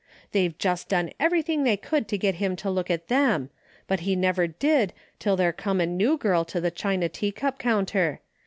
They've just done everything they could to get him to look at them, but he never did till there come a new girl to the china teacup counter.